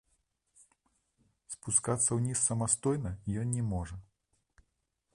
Спускацца ўніз самастойна ён не можа.